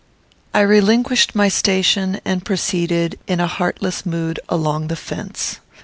I relinquished my station, and proceeded, in a heartless mood, along the fence.